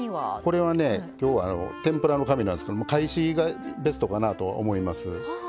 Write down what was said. これはね今日は天ぷらの紙なんですけども懐紙がベストかなとは思います。